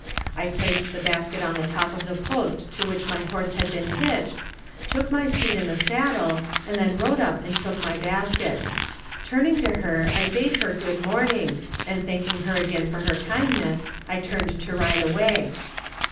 I placed the basket on the top of the post to which my horse had been hitched, took my seat in the saddle, and then rode up and took my basket. Turning to her I bade her good morning, and thanking her again for her kindness, I turned to ride away.